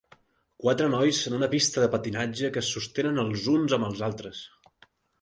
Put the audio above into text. Quatre nois en una pista de patinatge que es sostenen els uns amb els altres.